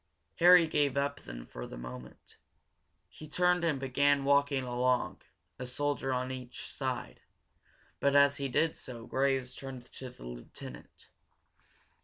Harry gave up, then, for the moment. He turned and began walking along, a soldier on each side. But as he did so Graves turned to the lieutenant.